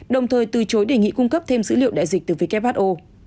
đồng thời từ chối đề nghị cung cấp thêm dữ liệu đại dịch từ who